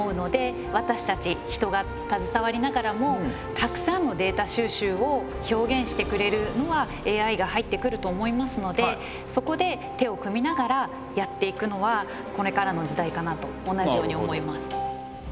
私たち人がたずさわりながらもたくさんのデータ収集を表現してくれるのはＡＩが入ってくると思いますのでそこで手を組みながらやっていくのはこれからの時代かなと同じように思います。